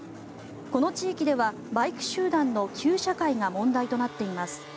この地域ではバイク集団の旧車會が問題となっています。